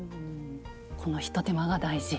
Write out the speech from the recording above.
この一手間が大事。